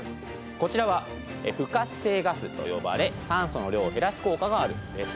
こちらは不活性ガスと呼ばれ酸素の量を減らす効果があるんです。